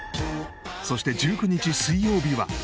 そして１９日水曜日は。